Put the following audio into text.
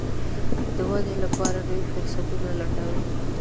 د ودې لپاره نوي فرصتونه لټوي.